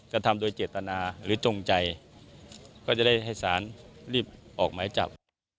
กระทำโดยเจตนาหรือจงใจก็จะได้ให้สารรีบออกหมายจับ